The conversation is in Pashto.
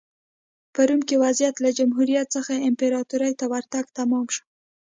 په روم کې وضعیت له جمهوریت څخه امپراتورۍ ته ورتګ تمام شو